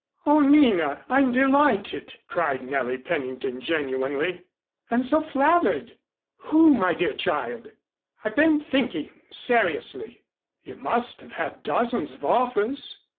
"Oh, Nina, I'm delighted!" cried Nellie Pennington genuinely, "and so flattered. Who, my dear child?" "I've been thinking seriously." "You must have had dozens of offers."